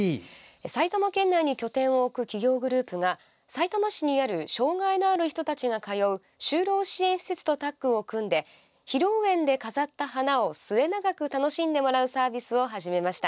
埼玉県内に拠点を置く企業グループがさいたま市にある障害のある人たちが通う就労支援施設とタッグを組んで披露宴で飾った花を末永く楽しんでもらうサービスを始めました。